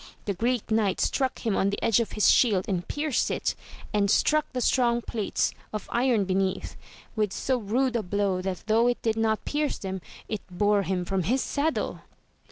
The Greek knight struck him on the edge of his shield and pierced it, and struck the strong plates of iron be neath, with so rude a blow that though it did not pierce them, it bore him from his saddle.